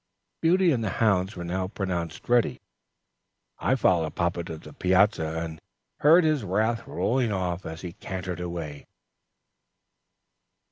Beauty and the hounds were now pronounced ready. I followed papa to the piazza, and heard his wrath rolling off as he cantered away.